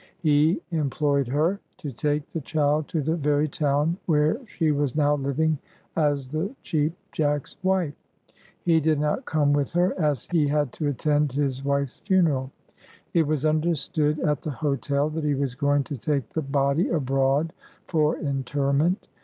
He employed her,—to take the child to the very town where she was now living as the Cheap Jack's wife. He did not come with her, as he had to attend his wife's funeral. It was understood at the hotel that he was going to take the body abroad for interment.